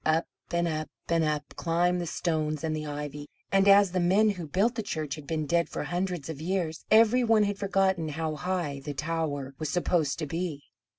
Up, and up, and up climbed the stones and the ivy; and as the men who built the church had been dead for hundreds of years, every one had forgotten how high the tower was supposed to be.